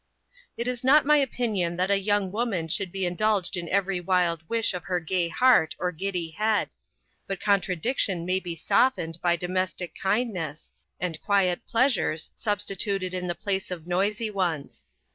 It is not my opinion that a young woman should be indulged in every wild wish of her gay heart or giddy head; but contradiction may be softened by domestic kindness, and quiet pleasures substituted in the place of noisy ones.